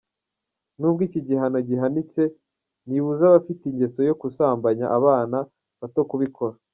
Nubwo iki gihano gihanitse ntibibuza abafite ingeso yo gusambanya abana bato kubikora.